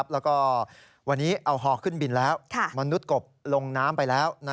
แล้วก็วันนี้เอาฮอขึ้นบินแล้วมนุษย์กบลงน้ำไปแล้ว